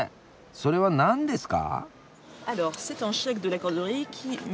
それは何ですか？